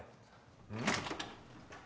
うん？